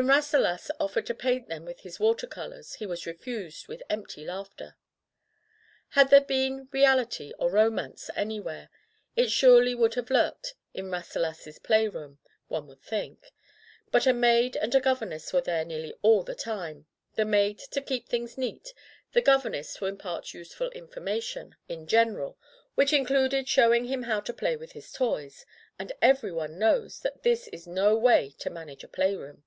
When Rasselas offered to paint them with his water colors, he was refused with empty laughter. Had there been reality or romance any where, it surely would have lurked in Ras selas's play room, one would think; but a maid and a governess were there nearly all the time; the maid to keep things neat, the governess to impart useful information in Digitized by LjOOQ IC Interventions general, which included showing him how to play with his toys — ^and every one knows that this is no way to manage a play room.